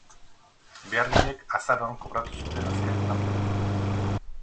Beharginek azaroan kobratu zuten azken nomina.